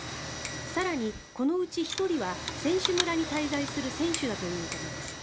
更に、このうち１人は選手村に滞在する選手だということです。